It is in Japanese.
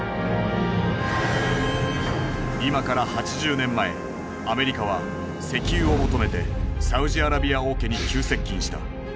今から８０年前アメリカは石油を求めてサウジアラビア王家に急接近した。